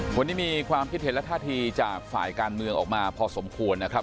วันนี้มีความคิดเห็นและท่าทีจากฝ่ายการเมืองออกมาพอสมควรนะครับ